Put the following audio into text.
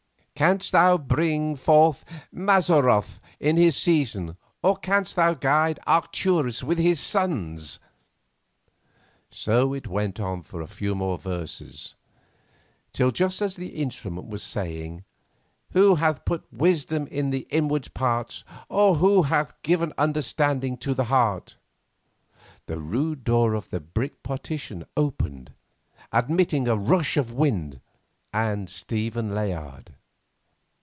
"'Canst thou bring forth Mazzaroth in his season, or canst thou guide Arcturus with his sons?'" So it went on for a few more verses, till just as the instrument was saying, "'Who hath put wisdom in the inward parts, or who hath given understanding to the heart?'" the rude door in the brick partition opened, admitting a rush of wind and—Stephen Layard.